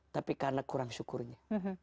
tapi karena kurang syukurnya